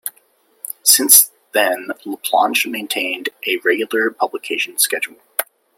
Since then, Laplanche maintained a regular publication schedule.